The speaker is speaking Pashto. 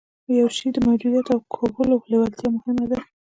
د يوه شي د موجوديت او کولو لېوالتيا مهمه ده.